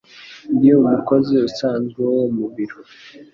Ndi umukozi usanzwe wo mu biro